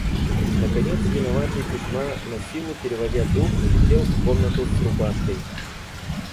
Наконец виноватый Кузьма, насилу переводя дух, влетел в комнату с рубашкой.